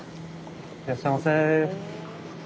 ・いらっしゃいませ。